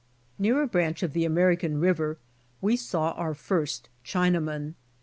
Near a branch of the American river we saw our first Chinamen.